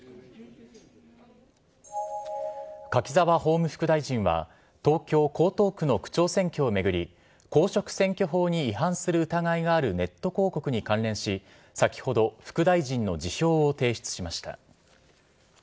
柿沢法務副大臣は、東京・江東区の区長選挙を巡り、公職選挙法に違反する疑いがあるネット広告に関連し、先ほど、副大臣の辞表を提出しました。